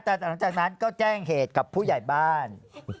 แต่หลังจากนั้นก็แจ้งเหตุกับผู้ใหญ่บ้าน